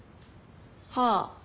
はあ。